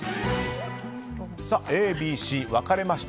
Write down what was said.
Ａ、Ｂ、Ｃ分かれました。